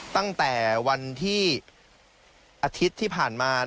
ตั้งแต่วันที่อาทิตย์ที่ผ่านมา